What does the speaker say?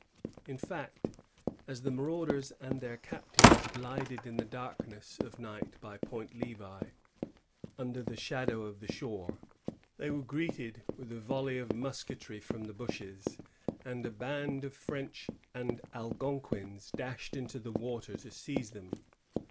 In fact, as the marauders and their cap tives glided in the darkness of night by Point Levi, under the shadow of the shore, they were greeted with a volley of musketry from the bushes, and a band of French and Algonquins dashed into the water to seize them.